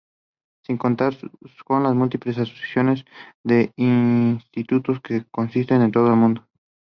Sin contar con las múltiples asociaciones e institutos que existen en todo el mundo.